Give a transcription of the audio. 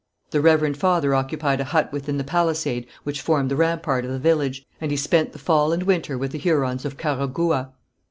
The reverend father occupied a hut within the palisade which formed the rampart of the village, and he spent the fall and winter with the Hurons of Carhagouha.